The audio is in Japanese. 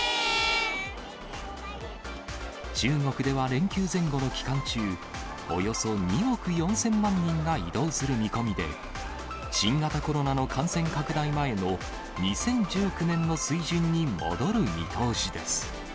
中国では連休前後の期間中、およそ２億４０００万人が移動する見込みで、新型コロナの感染拡大前の２０１９年の水準に戻る見通しです。